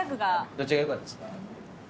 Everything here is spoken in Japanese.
どっちが良かったですか？